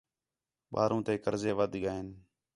ٻاہروں تے قرضے وَدھ ڳئین